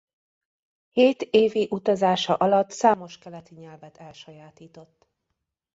Hét évi utazása alatt számos keleti nyelvet elsajátított.